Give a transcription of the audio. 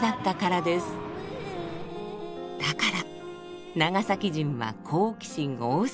だから長崎人は好奇心旺盛。